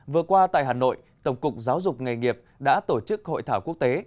vừa qua tại hà nội tổng cục giáo dục nghề nghiệp đã tổ chức hội thảo quốc tế